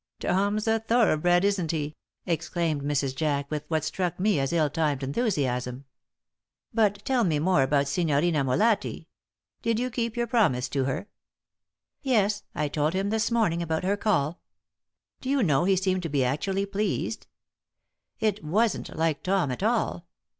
"Tom's a thoroughbred, isn't he?" exclaimed Mrs. Jack, with what struck me as ill timed enthusiasm. "But tell me more about Signorina Molatti. Did you keep your promise to her?" "Yes; I told him this morning about her call. Do you know, he seemed to be actually pleased. It wasn't like Tom at all.